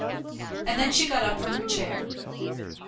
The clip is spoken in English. And then she got up from her chair.